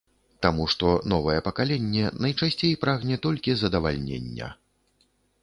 Таму што новае пакаленне найчасцей прагне толькі задавальнення.